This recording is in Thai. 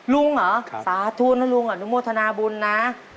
ลุงเหรอสาธุนะลุงอนุโมทนาบุญนะ